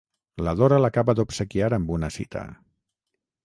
La Dora l'acaba d'obsequiar amb una cita.